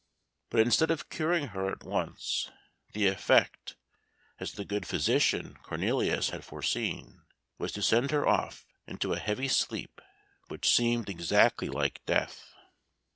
But instead of curing her at once, the effect, as the good physician Cornelius had foreseen, was to send her off into a heavy sleep which seemed exactly like death.